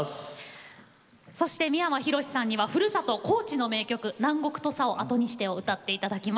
そして三山ひろしさんにはふるさと高知の名曲「南国土佐を後にして」を歌っていただきます。